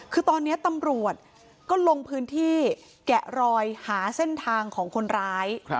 คือตอนนี้ตำรวจก็ลงพื้นที่แกะรอยหาเส้นทางของคนร้าย